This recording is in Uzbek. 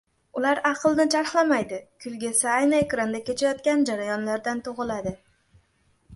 Ular aqlni charxlamaydi, kulgi esa ayni ekranda kechayotgan jarayonlardan tug‘iladi.